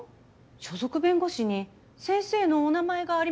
所属弁護士に先生のお名前がありませんわね。